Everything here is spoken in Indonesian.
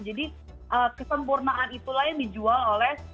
jadi kesempurnaan itu lah yang dijual oleh